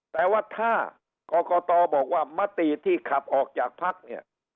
แต่ว่าถ้ากรกตบอกว่ามติที่ขับออกจากพักเนี่ย